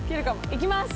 いきます！